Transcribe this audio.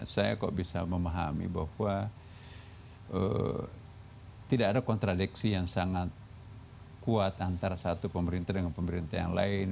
saya kok bisa memahami bahwa tidak ada kontradiksi yang sangat kuat antara satu pemerintah dengan pemerintah yang lain